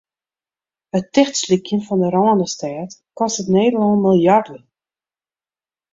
It tichtslykjen fan de Rânestêd kostet Nederlân miljarden.